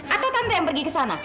atau tante yang pergi ke sana